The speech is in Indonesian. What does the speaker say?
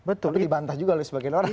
betul dibantah juga oleh sebagian orang